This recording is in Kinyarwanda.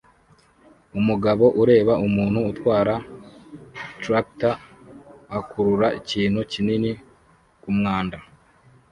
Umugabo ureba umuntu utwara traktor akurura ikintu kinini kumwanda